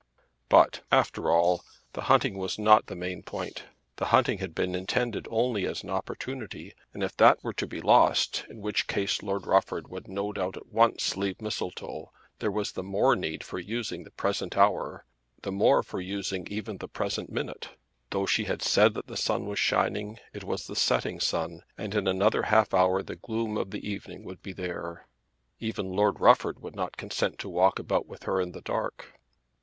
But, after all, the hunting was not the main point. The hunting had been only intended as an opportunity; and if that were to be lost, in which case Lord Rufford would no doubt at once leave Mistletoe, there was the more need for using the present hour, the more for using even the present minute. Though she had said that the sun was shining, it was the setting sun, and in another half hour the gloom of the evening would be there. Even Lord Rufford would not consent to walk about with her in the dark.